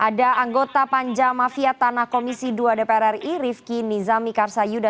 ada anggota panja mafia tanah komisi dua dpr ri rifki nizami karsayuda